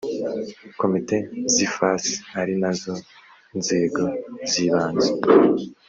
komite zifasi ari nazo nzego z ibanze